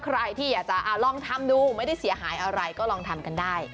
ใครที่อยากจะลองทำดูไม่ได้เสียหายอะไรก็ลองทำกันได้